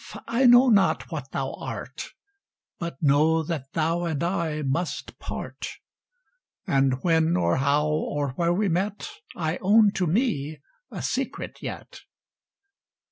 I know not what thou art, But know that thou and I must part; And when, or how, or where we met I own to me a secret yet.